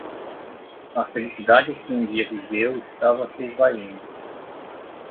A felicidade que um dia viveu estava se esvaindo.